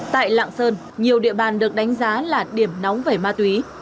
tại lạng sơn nhiều địa bàn được đánh giá là điểm nóng về ma túy